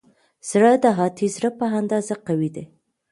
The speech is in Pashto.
زړه د هاتي زړه په اندازه قوي دی.